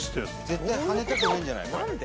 絶対跳ねたくないんじゃない？